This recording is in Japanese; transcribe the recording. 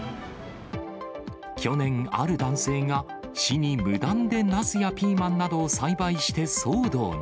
去年、ある男性が市に無断でナスやピーマンなどを栽培して騒動に。